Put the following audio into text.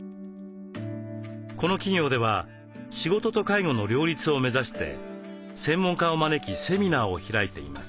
この企業では仕事と介護の両立を目指して専門家を招きセミナーを開いています。